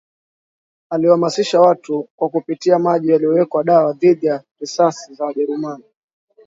aliyewahamisisha watu kwa kupitia maji aliyoyaweka dawa dhidi ya risasi za Wajerumani